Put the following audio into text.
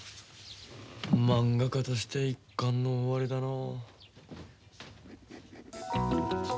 まんが家として一巻の終わりだのう。